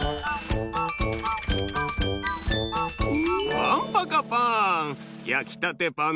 パンパカパーン！